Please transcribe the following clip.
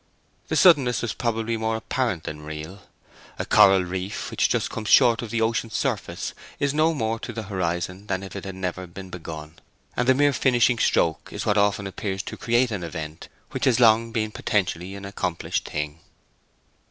The suddenness was probably more apparent than real. A coral reef which just comes short of the ocean surface is no more to the horizon than if it had never been begun, and the mere finishing stroke is what often appears to create an event which has long been potentially an accomplished thing.